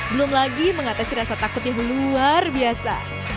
belum lagi mengatasi rasa takutnya luar biasa